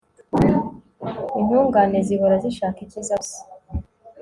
intungane zihora zishaka icyiza gusa